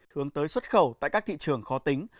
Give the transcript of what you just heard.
hướng tới xuất khẩu tại các thị trường khó tính